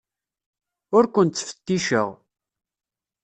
Ur ken-ttfetticeɣ.